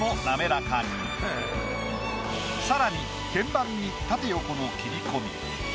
さらに天板に縦横の切り込み。